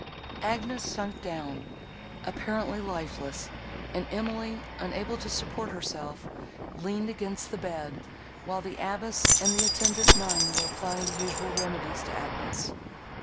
Agnes sunk down, apparently lifeless, and Emily, unable to support herself, leaned against the bed, while the abbess and the attendant nun were applying the usual remedies to Agnes.